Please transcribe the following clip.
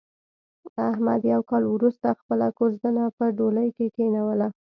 احمد یو کال ورسته خپله کوزدنه په ډولۍ کې کېنوله.